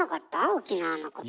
沖縄のことば。